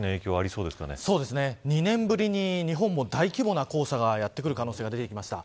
そうですね、２年ぶりに日本に大規模な黄砂がやってくる可能性が出てきました。